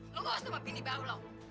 lo harus sama bini baru lho